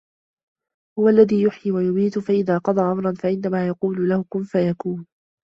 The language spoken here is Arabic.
هُوَ الَّذي يُحيي وَيُميتُ فَإِذا قَضى أَمرًا فَإِنَّما يَقولُ لَهُ كُن فَيَكونُ